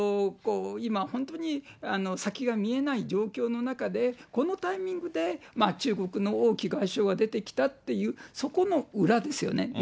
今、本当に先が見えない状況の中で、このタイミングで、中国の王毅外相が出てきたっていう、そこの裏ですよね。